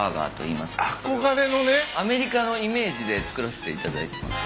アメリカのイメージで作らせていただいてます。